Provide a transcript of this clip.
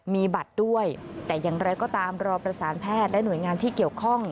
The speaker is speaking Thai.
มีบัตรด้วยแต่อย่างไรก็ตามรอประสานแพทย์และหน่วยงานที่เกี่ยวข้อง